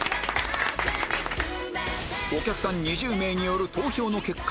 お客さん２０名による投票の結果